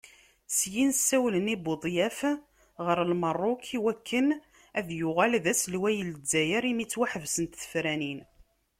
Syin, ssawlen i Budyaf ɣer Merruk i waken ad yuɣal d aselwaya n Lezzayer imi ttwaḥebsent tefranin.